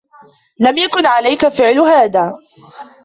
لم يكن عليك فعل هذا.